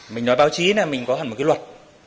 mình nói báo chí là mình có hẳn một cái luật